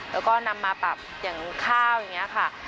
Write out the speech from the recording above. แล้วก็นำมาปรับอย่างข้าวอย่างนี้ค่ะ